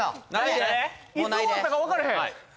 いつ終わったか分からへんイエーイ！